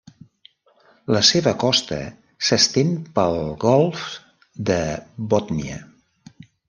La seva costa s'estén pel Golf de Bòtnia.